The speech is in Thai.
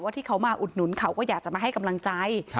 ที่เขามาอุดหนุนเขาก็อยากจะมาให้กำลังใจ